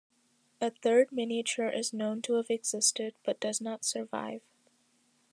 A third miniature is known to have existed, but does not survive.